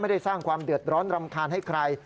ได้สร้างความเดือดร้อนรำคาญให้ใคร